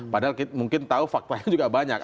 padahal mungkin tahu faktanya juga banyak